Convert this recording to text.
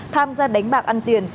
tham gia đánh bạc ăn tiền